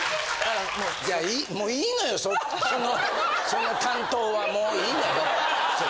その担当はもういいのよ。